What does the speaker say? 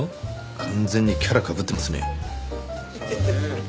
完全にキャラ被ってますね。